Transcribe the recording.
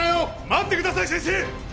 待ってください先生！